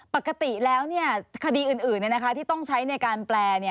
ปกติแล้วคดีอื่นที่ต้องใช้ในการแปล